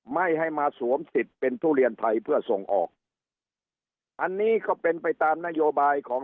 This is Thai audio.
ไม่ให้มาสวมสิทธิ์เป็นทุเรียนไทยเพื่อส่งออกอันนี้ก็เป็นไปตามนโยบายของ